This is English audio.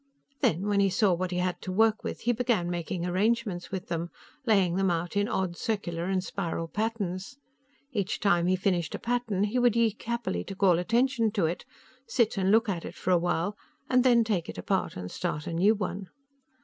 Then, when he saw what he had to work with, he began making arrangements with them, laying them out in odd circular and spiral patterns. Each time he finished a pattern, he would yeek happily to call attention to it, sit and look at it for a while, and then take it apart and start a new one.